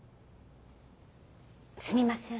すみません。